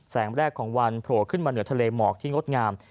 แสงแรกของวันโผล่ขึ้นมาเหนือทะเลหมอกที่งดงาม